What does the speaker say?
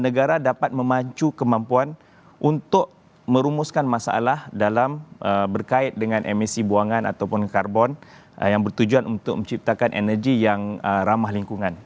negara dapat memacu kemampuan untuk merumuskan masalah dalam berkait dengan emisi buangan ataupun karbon yang bertujuan untuk menciptakan energi yang ramah lingkungan